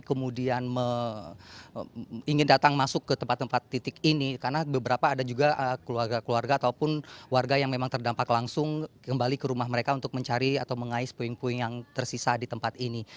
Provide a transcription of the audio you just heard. kemudian ingin datang masuk ke tempat tempat titik ini karena beberapa ada juga keluarga keluarga ataupun warga yang memang terdampak langsung kembali ke rumah mereka untuk mencari atau mengais puing puing yang tersisa di tempat ini